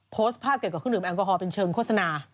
โพสต์ภาพเกี่ยวกับเครื่องดื่มแอลกอฮอลเป็นเชิงโฆษณา